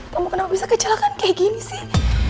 kamu kenapa bisa kecelakaan kayak gini sih